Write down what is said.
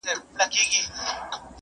سپیناوږمه